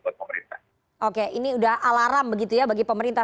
jadi ini sudah alaram bagi pemerintah